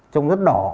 trông rất đỏ